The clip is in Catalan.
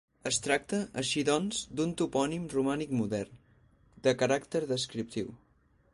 Es tracta, així doncs, d'un topònim romànic modern, de caràcter descriptiu.